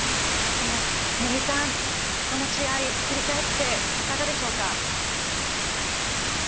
根木さん、この試合振り返っていかがでしょうか？